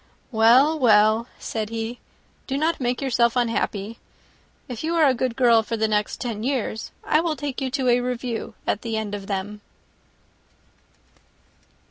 "Well, well," said he, "do not make yourself unhappy. If you are a good girl for the next ten years, I will take you to a review at the end of them."